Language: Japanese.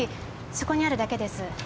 そこにあるだけです。